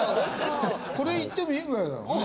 これいってもいいぐらいだからね。